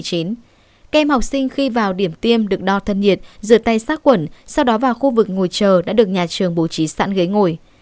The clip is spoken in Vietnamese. các em học sinh khi vào điểm tiêm được đo thân nhiệt rửa tay sát quẩn sau đó vào khu vực ngồi chờ đã được nhà trường bố trí sẵn ghế ngồi